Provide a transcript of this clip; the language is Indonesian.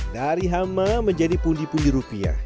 dari hama menjadi pundi pundi rupiah